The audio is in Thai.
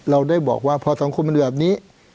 เราได้บอกว่าพอสังคมมันเหลือแบบนี้